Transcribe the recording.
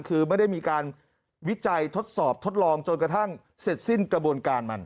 คือไม่ได้มีการวิจัยทดสอบทดลองจนกระทั่งเสร็จสิ้นกระบวนการมัน